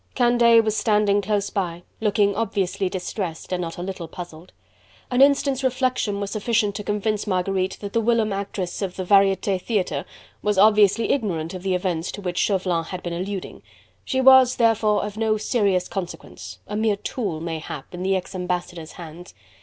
Candeille was standing close by, looking obviously distressed and not a little puzzled. An instant's reflection was sufficient to convince Marguerite that the whilom actress of the Varietes Theatre was obviously ignorant of the events to which Chauvelin had been alluding: she was, therefore, of no serious consequence, a mere tool, mayhap, in the ex ambassador's hands.